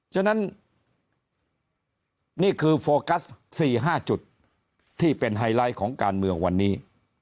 ฉะนั้นนี่คือโฟกัส๔๕จุดที่เป็นไฮไลท์ของการเมืองวันนี้